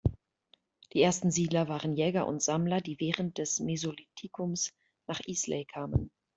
Die ersten Siedler waren Jäger und Sammler, die während des Mesolithikums nach Islay kamen.